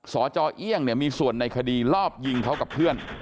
สจเอี่ยงมีส่วนในคดีรอบยิงเขากับเพื่อน